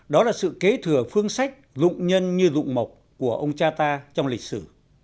đó là sự kế thừa phương sách dụng nhân như dụng mộc của ông cha ta trong lịch sử